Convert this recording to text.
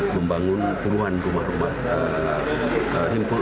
membangun puluhan rumah rumah